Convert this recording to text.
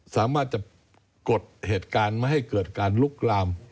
สามารถจะกดเหตุการณ์ไม่ให้เกิดการลุกลาม